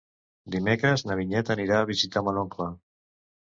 Dimecres na Vinyet anirà a visitar mon oncle.